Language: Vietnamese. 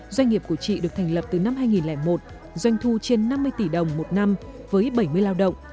doanh nghiệp của chị được thành lập từ năm hai nghìn một doanh thu trên năm mươi tỷ đồng một năm với bảy mươi lao động